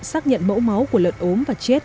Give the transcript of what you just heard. xác nhận mẫu máu của lợn ốm và chết